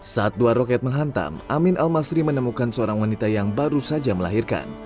saat dua roket menghantam amin almasri menemukan seorang wanita yang baru saja melahirkan